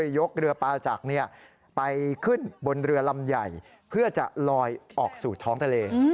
ยกเรือปาจักรไปขึ้นบนเรือลำใหญ่เพื่อจะลอยออกสู่ท้องทะเล